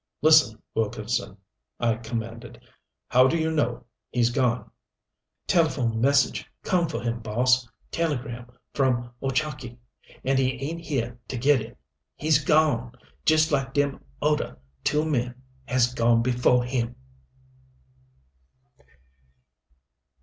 "Listen, Wilkson," I commanded. "How do you know he's gone " "Telephone message come for him, Boss. Telegram, from Ochakee. And he ain't here to get it. He's gone just like dem oder two men has gone befo' him."